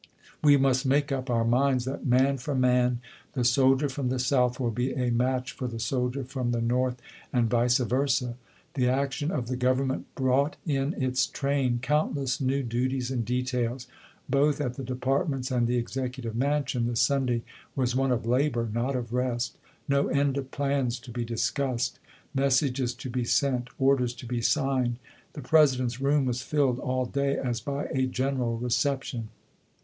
We must make up our minds that man for man the soldier from the South will be a match for the soldier from the North and vice verscV^ The action of the Government brought in its train countless new duties and details. Both at the departments and the Executive Mansion the Sunday was one of labor, not of rest — no end of plans to be discussed, messages to be sent, orders to be signed. The President's room was filled all day as by a general reception.